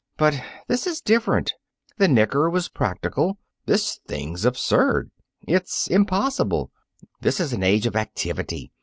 But this is different. The knicker was practical; this thing's absurd it's impossible! This is an age of activity.